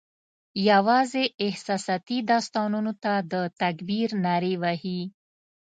یوازي احساساتي داستانونو ته د تکبیر نارې وهي